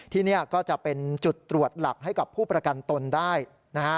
ที่นี่ก็จะเป็นจุดตรวจหลักให้กับผู้ประกันตนได้นะฮะ